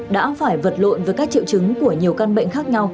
đã phải vật lộn với các triệu chứng của nhiều căn bệnh khác nhau